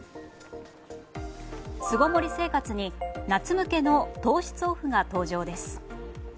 巣ごもり生活に夏向けの糖質オフが登場です。